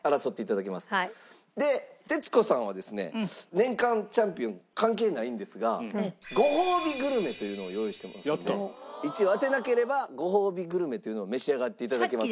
で徹子さんはですね年間チャンピオン関係ないんですがごほうびグルメというのを用意してますので１位を当てなければごほうびグルメというのを召し上がって頂きますので。